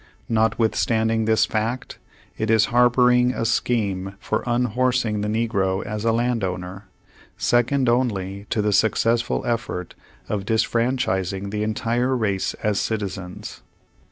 Notwithstand ing this fact, it is harboring a scheme for un horsing the negro as a land owner, second only to the successful effort of disfranchising the entire race as citizens.